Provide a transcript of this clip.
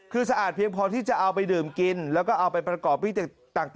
คือสะอาดเพียงพอที่จะเอาไปดื่มกินแล้วก็เอาไปประกอบพิธีต่าง